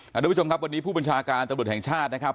ทุกผู้ชมครับวันนี้ผู้บัญชาการตำรวจแห่งชาตินะครับ